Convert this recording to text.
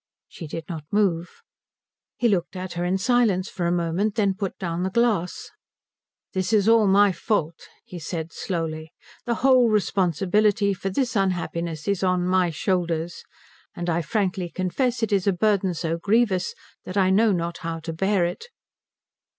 She did not move. He looked at her in silence for a moment, then put down the glass. "This is all my fault," he said slowly. "The whole responsibility for this unhappiness is on my shoulders, and I frankly confess it is a burden so grievous that I know not how to bear it."